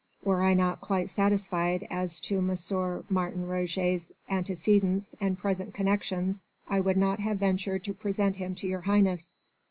Were I not quite satisfied as to M. Martin Roget's antecedents and present connexions I would not have ventured to present him to your Highness."